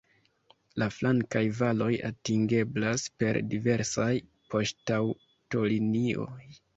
La flankaj valoj atingeblas per diversaj poŝtaŭtolinioj.